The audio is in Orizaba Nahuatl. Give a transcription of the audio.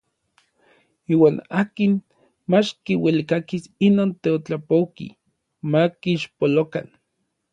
Iuan akin mach kiuelkakis inon teotlapouki ma kixpolokan.